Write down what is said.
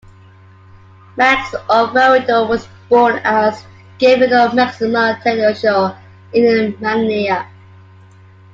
Max Alvarado was born as Gavino Maximo Teodosio in Manila.